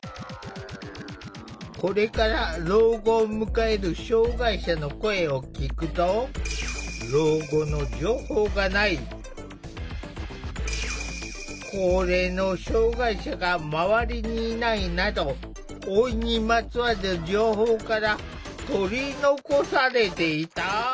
これから老後を迎える障害者の声を聞くとなど老いにまつわる情報から取り残されていた。